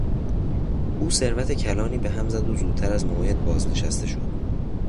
او ثروت کلانی به هم زد و زودتر از موعد بازنشسته شد.